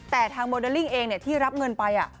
แต่ทางโมเดลลิ่งเองที่รับเงินไป